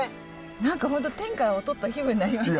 何か本当天下を取った気分になりますね。